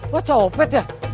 wah cowok pet ya